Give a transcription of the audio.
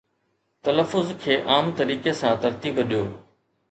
تلفظ کي عام طريقي سان ترتيب ڏيو